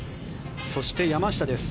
そして、山下です。